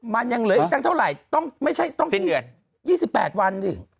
มายังตั้งเท่าไหร่ต้องที่